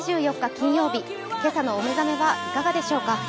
金曜日、今朝のお目覚めはいかがでしょうか。